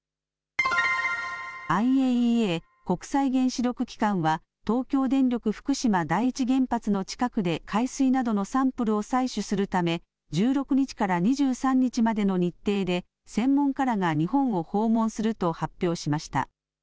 ＩＡＥＡ・国際原子力機関は東京電力福島第一原発の近くで海水などのサンプルを採取するため１６日から２３日までの日程で専門家らが日本を訪問すると発表しました。